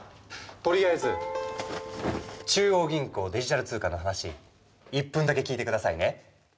とりあえず。中央銀行デジタル通貨の話１分だけ聞いてくださいね。